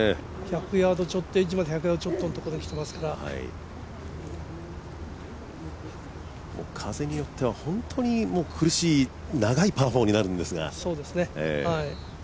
ウェッジまで１００ヤードちょっとのところにきてますから風によっては本当に苦しい、長いパー４になるんですが。